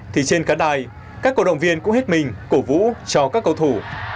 thì trên cá đài các cổ động viên cũng hết mình cổ vũ cho các cầu thủ